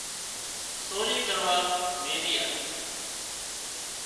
سوري ڪروا ميلي آلي